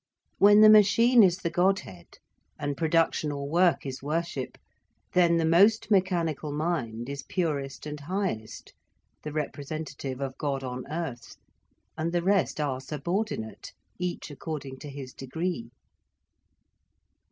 When the machine is the Godhead, and production or work is worship, then the most mechanical mind is purest and highest, the representative of God on earth. And the rest are subordinate, each according to his degree.